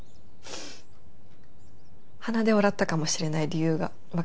鼻で笑ったかもしれない理由がわかりました。